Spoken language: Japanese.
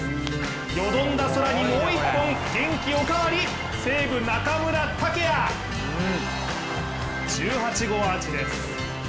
よどんだ空にもう一本元気おかわり西武・中村剛也、１８号アーチです。